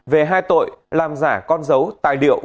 về hai tội làm giả con dấu tài điệu